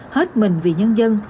hết mình vì nhân dân